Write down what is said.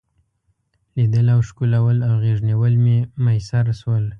لیدل او ښکلول او غیږ نیول مې میسر شول.